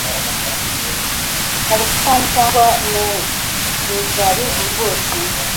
mu busitani cyangwa mu ruzabibu rwose'°.